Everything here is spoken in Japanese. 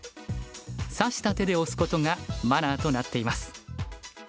指した手で押すことがマナーとなっています。